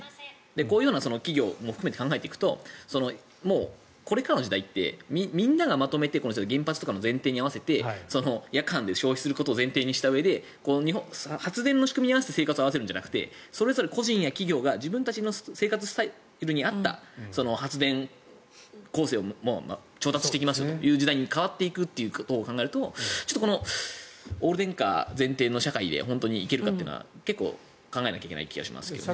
こういう企業も含めて考えていくとこれからの時代ってみんながまとめて原発とかの前提に合わせて夜間で消費することを前提にしたうえで発電の仕組みに合わせて生活するんじゃなくてそれぞれ個人や企業が自分たちの生活スタイルに合った発電構成を調達していきますという時代に変わっていくことを考えるとこのオール電化前提の社会で本当に行けるかというのは結構、考えなきゃいけない気がしますけどね。